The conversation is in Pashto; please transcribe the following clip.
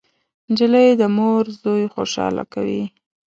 نجلۍ د مور زوی خوشحاله کوي.